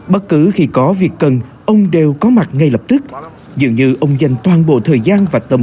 bất cứ khi có việc cần ông đều có mặt ngay lập tức dường như ông dành toàn bộ thời gian và tầm